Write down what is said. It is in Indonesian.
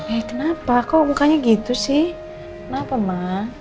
eh kenapa kok mukanya gitu sih kenapa mak